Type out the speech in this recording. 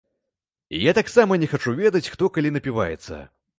І я таксама не хачу ведаць, хто калі напіваецца.